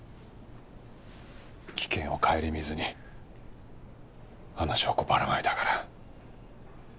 危険を顧みずにあの証拠ばらまいたから。